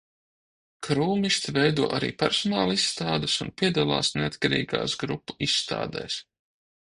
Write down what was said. Krūmisti veido arī personālizstādes un piedalās neatkarīgās grupu izstādēs.